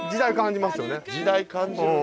時代感じるな。